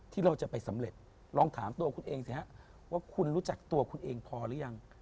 ที่เราจะไปสำเร็จลองถามตัวคุณเองสิฮะว่าคุณรู้จักตัวคุณเองพอหรือยัง